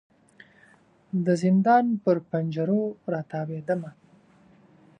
د زندان پر پنجرو را تاویدمه